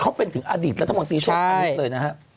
เขาเป็นถึงอดิษฐ์รัฐมนตรีโชคภาพนี้เลยนะฮะ